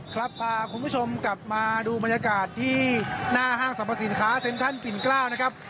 ครับพาคุณผู้ชมกลับมาดูบรรยากาศที่หน้าห้างสรรพสินค้าเซ็นทรัลปิ่นเกล้านะครับ